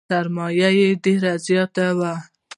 سرمایه یې ډېره زیاته وه .